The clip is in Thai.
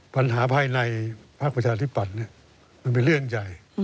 ปัญหาภายในภาคประชาธิปัตย์มันเป็นเรื่องใหญ่